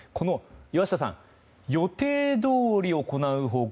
岩下さん、予定どおり行う方向。